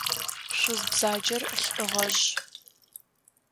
Шъуз бзаджэр лӏы гъэжъ.